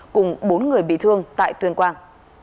cùng bốn người bị thương tại tuyên quang